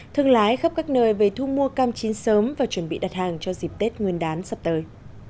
thương lái khắp các nơi về thu mua cam chín sớm và chuẩn bị đặt hàng cho dịp tết nguyên đán sắp tới